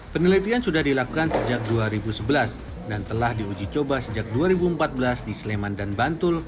penelitian sudah dilakukan sejak dua ribu sebelas dan telah diuji coba sejak dua ribu empat belas di sleman dan bantul